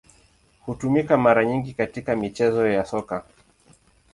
Hutumika mara nyingi katika michezo ya Soka.